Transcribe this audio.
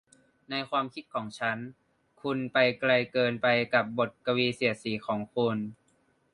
ในความคิดของฉันคุณไปไกลเกินไปกับบทกวีเสียดสีของคุณ